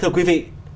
thưa quý vị